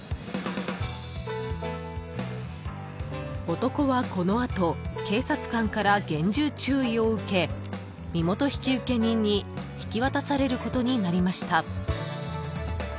［男はこの後警察官から厳重注意を受け身元引受人に引き渡されることになりました］